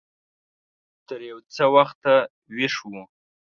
تر يو څه وخته ويښ و.